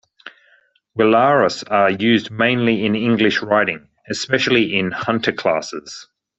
Welaras are used mainly in English riding, especially in hunter classes.